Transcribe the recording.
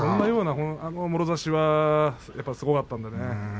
あのもろ差しはすごかったんでね